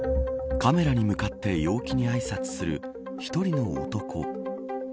カメラに向かって陽気にあいさつする１人の男。